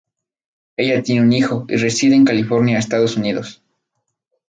Ella tiene un hijo y reside en California, Estados Unidos.